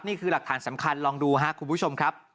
นี่คือหลักฐานสำคัญลองดูครับคุณผู้ชมครับ